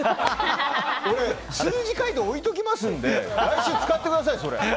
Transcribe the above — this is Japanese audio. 俺、数字書いて置いておきますんで来週使ってください、それ。